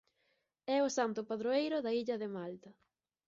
É o santo padroeiro da illa de Malta.